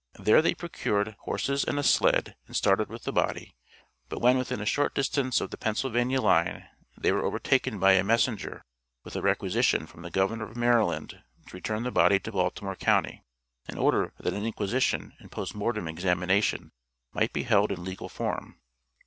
There they procured horses and a sled and started with the body, but when within a short distance of the Pennsylvania line they were overtaken by a messenger with a requisition from the Governor of Maryland to return the body to Baltimore county, in order that an inquisition and post mortem examination might be held in legal form.